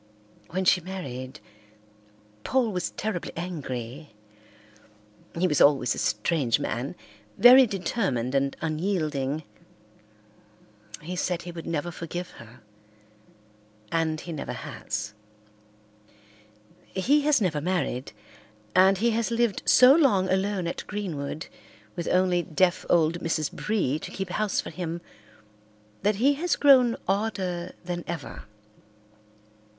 When she married, Paul was terribly angry. He was always a strange man, very determined and unyielding. He said he would never forgive her, and he never has. He has never married, and he has lived so long alone at Greenwood with only deaf old Mrs. Bree to keep house for him that he has grown odder than ever.